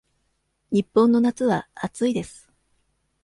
日本の夏は暑いです。